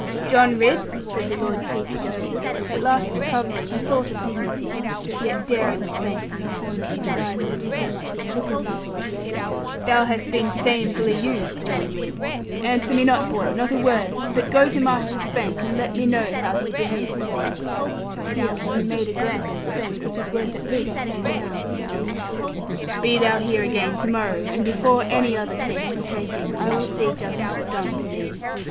'John Ridd,' said the Lord Chief Justice, at last recovering a sort of dignity, yet daring Spank from the corners of his eyes to do so much as look at him, 'thou hast been shamefully used, John Ridd. Answer me not boy; not a word; but go to Master Spank, and let me know how he behaves to thee;' here he made a glance at Spank, which was worth at least ten pounds to me; 'be thou here again to morrow, and before any other case is taken, I will see justice done to thee.